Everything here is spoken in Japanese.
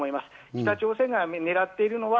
北朝鮮が狙っているのは